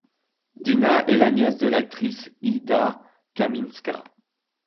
Dina est la nièce de l'actrice Ida Kaminska.